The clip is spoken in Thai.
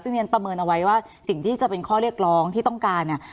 ซึ่งเรียนประเมินเอาไว้ว่าสิ่งที่จะเป็นข้อเรียกร้องที่ต้องการเนี่ย